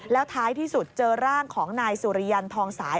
แล้วท้ายที่สุดเจอร่างของนายสุริยันทองสาย